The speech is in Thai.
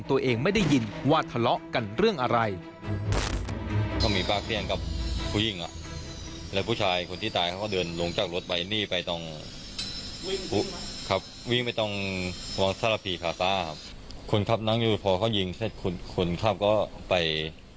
ตัวเองไม่ได้ยินว่าทะเลาะกันเรื่องอะไร